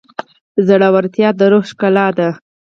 زړورتیا د روح ښکلا ده.